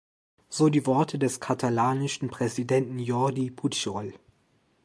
So die Worte des katalanischen Präsidenten Jordi Pujol.